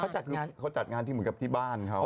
ไม่ใช่วัดคือเขาจัดงานเหมือนกับที่บ้านเขา